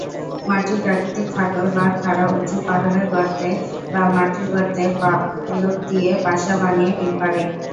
মাটির প্রাকৃতিক ফাটল বা খাড়া উঁচু পাহাড়ের গর্তে বা মাটির গর্তে পালক দিয়ে বাসা বানিয়ে ডিম পাড়ে।